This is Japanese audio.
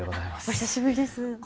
お久しぶりです。